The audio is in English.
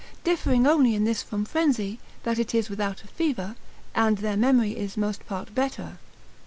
Differing only in this from frenzy, that it is without a fever, and their memory is most part better.